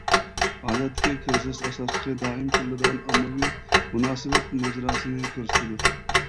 ئادەتتىكى كىرىزىس ئاساسلىقى دائىم كۆرۈلىدىغان ئاممىۋى مۇناسىۋەت ماجىراسىنى كۆرسىتىدۇ.